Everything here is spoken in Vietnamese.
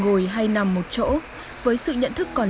tôi thấy là người này cũng rất là tốt